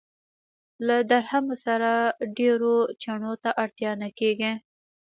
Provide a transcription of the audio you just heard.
له درهمو سره ډېرو چنو ته اړتیا نه کېږي.